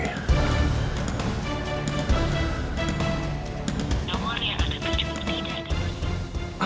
nomor yang ada di jumlah tidak dikirimkan